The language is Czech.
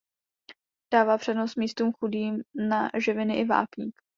Dává přednost místům chudým na živiny i vápník.